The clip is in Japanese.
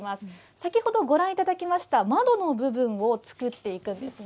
先ほどご覧いただきました、窓の部分を作っていくんですね。